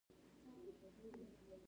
د علمي کتابونو ژباړه باید دقیقه وي.